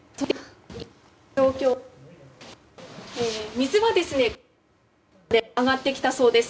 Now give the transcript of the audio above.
水が上がってきたそうです。